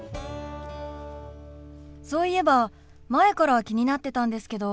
そういえば前から気になってたんですけど。